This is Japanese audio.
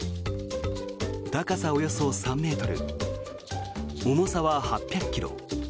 高さおよそ３ｍ重さは８００ｋｇ。